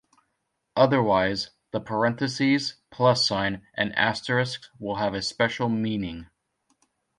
Otherwise, the parenthesis, plus-sign, and asterisk will have a special meaning.